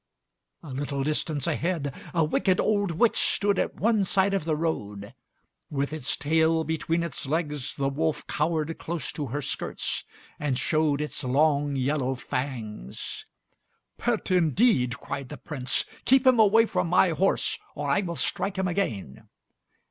A little distance ahead, a wicked old witch stood at one side of the road. With its tail between its legs, the wolf cowered close to her skirts, and showed its long yellow fangs. "Pet, indeed!" cried the Prince. "Keep him away from my horse or I will strike him again."